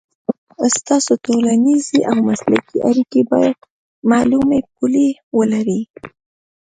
ستاسو ټولنیزې او مسلکي اړیکې باید معلومې پولې ولري.